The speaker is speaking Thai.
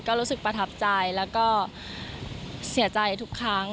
ก็รู้สึกประทับใจแล้วก็เสียใจทุกครั้ง